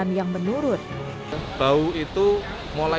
mas kena kop